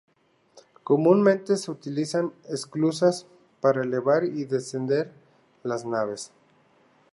Comúnmente se utilizan esclusas para elevar y descender las naves.